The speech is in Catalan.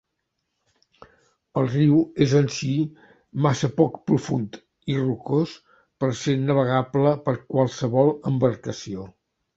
El riu en si és massa poc profund i rocós per ser navegable per qualsevol embarcació.